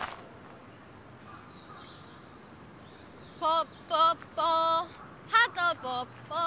「ぽっぽっぽはとぽっぽ」